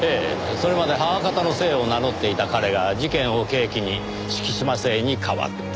それまで母方の姓を名乗っていた彼が事件を契機に敷島姓に変わった。